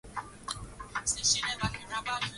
Nguruwe hutoa virusi vingi vya ugonjwa wa miguu na midomo